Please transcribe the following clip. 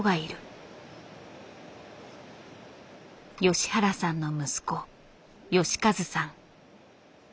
吉原さんの息子義一さん。